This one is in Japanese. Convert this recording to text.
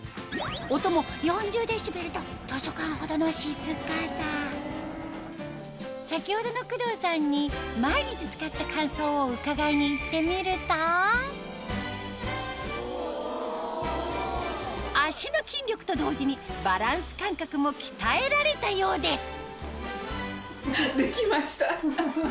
音も４０デシベルと先ほどの工藤さんに毎日使った感想を伺いに行ってみると足の筋力と同時にバランス感覚も鍛えられたようです